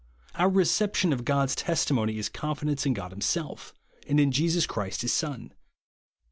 Our re ception of God's testimony is confidence in God himself, and in Jesus Christ his Son.